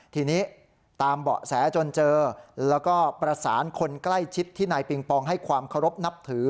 ทีนี้ตามเบาะแสจนเจอแล้วก็ประสานคนใกล้ชิดที่นายปิงปองให้ความเคารพนับถือ